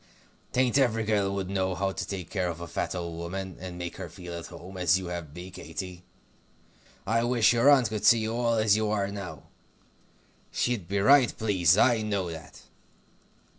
'Tain't every girl would know how to take care of a fat old woman, and make her feel to home, as you have me, Katy. I wish your aunt could see you all as you are now. She'd be right pleased; I know that."